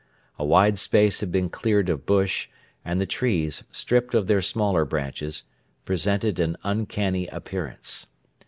A wide space had been cleared of bush, and the trees, stripped of their smaller branches, presented an uncanny appearance.